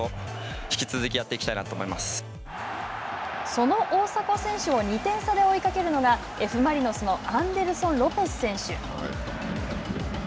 その大迫選手を２点差で追いかけるのがＦ・マリノスのアンデルソン・ロペス選手。